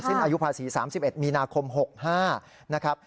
สิ้นอายุภาษี๓๑มีนาคม๖๕นะครับ